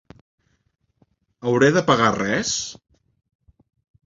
Hauré de pagar res?